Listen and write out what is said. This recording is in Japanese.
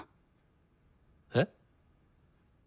えっ？